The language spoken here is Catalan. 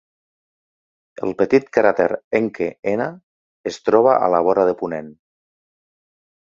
El petit cràter Encke N es troba a la vora de ponent.